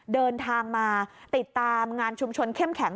เดินทางมาติดตามงานชุมชนเข้มแข็ง